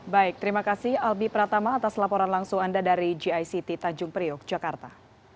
baik terima kasih albi pratama atas laporan langsung anda dari gict tanjung priok jakarta